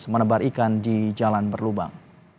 menebar ikan di jalan berlubang